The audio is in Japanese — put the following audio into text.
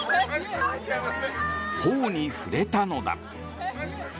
頬に触れたのだ。